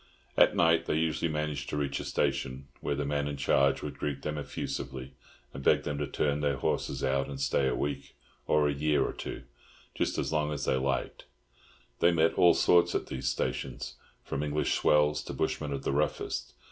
At night they usually managed to reach a station, where the man in charge would greet them effusively, and beg them to turn their horses out and stay a week—or a year or two, just as long as they liked. They met all sorts at these stations, from English swells to bushmen of the roughest.